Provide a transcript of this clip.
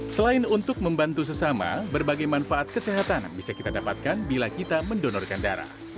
selain untuk membantu sesama berbagai manfaat kesehatan bisa kita dapatkan bila kita mendonorkan darah